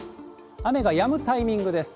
雨が止むタイミングです。